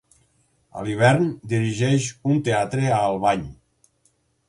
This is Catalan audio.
A l'hivern, dirigeix un teatre a Albany.